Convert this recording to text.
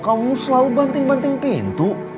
kamu selalu banting banting pintu